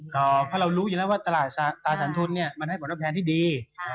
เพราะเรารู้อยู่แล้วว่าตราสารทุนมันให้ผลแพทย์ที่ดี